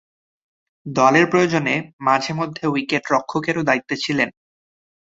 দলের প্রয়োজনে মাঝে-মধ্যে উইকেট-রক্ষকেরও দায়িত্বে ছিলেন তিনি।